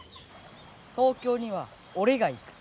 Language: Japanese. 東京には俺が行く。